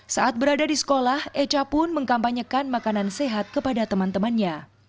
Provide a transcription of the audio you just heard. saat berada di sekolah echa pun mengkampanyekan makanan sehat kepada teman temannya